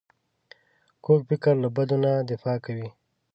کوږ فکر له بدو نه دفاع کوي